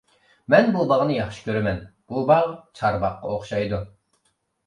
مەن بۇ باغنى ياخشى كۆرىمەن، بۇ باغ چارباغقا ئوخشايدۇ.